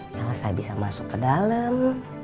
jangan saya bisa masuk ke dalam